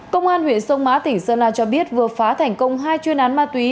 công an huyện sông mã tỉnh sơn la cho biết vừa phá thành công hai chuyên án ma túy